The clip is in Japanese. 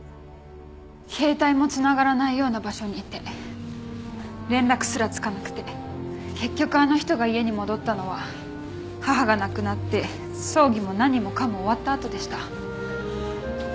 携帯もつながらないような場所にいて連絡すらつかなくて結局あの人が家に戻ったのは母が亡くなって葬儀も何もかも終わった後でした。